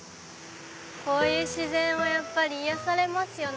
こういう自然は癒やされますよね。